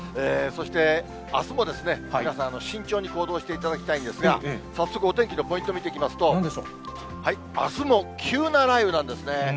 あすも皆さん、慎重に行動していただきたいんですが、早速お天気のポイント、見ていきますと、あすも急な雷雨なんですね。